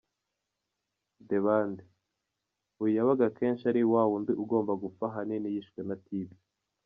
Debande: Uyu yabaga akenshi ari wa wundi ugomba gupfa ahanini yishwe na Tipe.